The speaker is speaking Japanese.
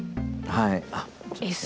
はい。